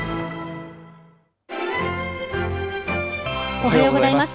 おはようございます。